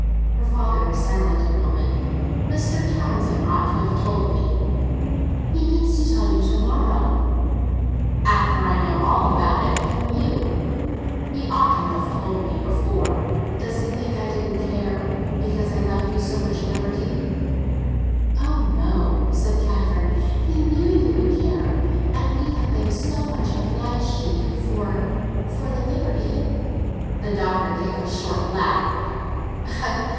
Her father was silent a moment. "Mr. Townsend ought to have told me." "He means to tell you to morrow." "After I know all about it from you? He ought to have told me before. Does he think I didn't care—because I left you so much liberty?" "Oh no," said Catherine; "he knew you would care. And we have been so much obliged to you for—for the liberty." The Doctor gave a short laugh.